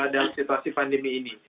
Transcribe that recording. dalam situasi pandemi ini